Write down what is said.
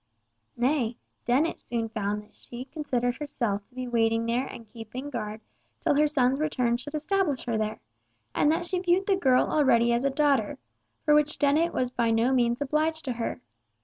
Nay, Dennet soon found that she considered herself to be waiting there and keeping guard till her son's return should establish her there, and that she viewed the girl already as a daughter—for which Dennet was by no means obliged to her!